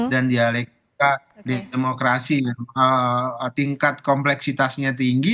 dan dialektika demokrasi tingkat kompleksitasnya tinggi